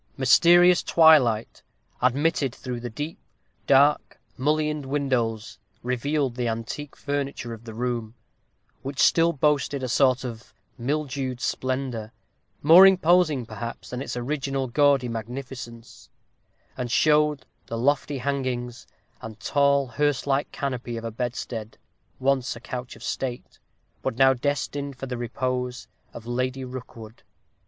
Mysterious twilight, admitted through the deep, dark, mullioned windows, revealed the antique furniture of the room, which still boasted a sort of mildewed splendor, more imposing, perhaps, than its original gaudy magnificence; and showed the lofty hangings, and tall, hearse like canopy of a bedstead, once a couch of state, but now destined for the repose of Lady Rookwood.